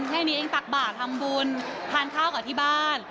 แค่นี้เองตักบาททำบุญทานข้าวกับที่บ้าน